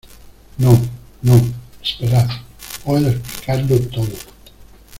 No, no , esperad. Puedo explicarlo todo .